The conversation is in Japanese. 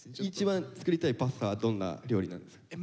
一番作りたいパスタはどんな料理なんですか？